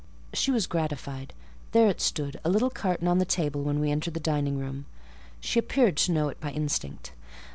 She was gratified: there it stood, a little carton, on the table when we entered the dining room. She appeared to know it by instinct.